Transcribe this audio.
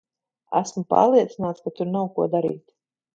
Esmu pārliecināts, ka tur nav ko darīt.